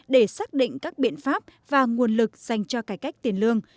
để xác định các biện pháp và nguồn lực dành cho cải cách tiền lương